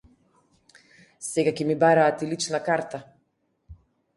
Сега ќе ми бараат и лична карта.